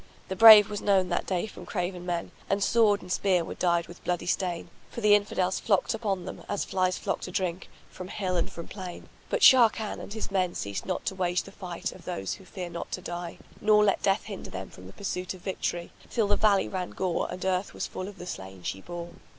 The brave was known that day from craven men, and sword and spear were dyed with bloody stain; for the Infidels flocked up on them, as flies flock to drink, from hill and from plain; but Sharrkan and his men ceased not to wage the fight of those who fear not to die, nor let death hinder them from the pursuit of victory, till the valley ran gore and earth was full of the slain she bore.